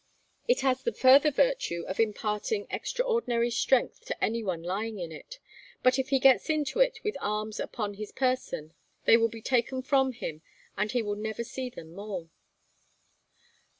It has the further virtue of imparting extraordinary strength to any one lying in it; but if he gets into it with arms upon his person they will be taken from him and he will never see them more.